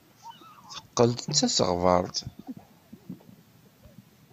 Teqqel d tasegbart.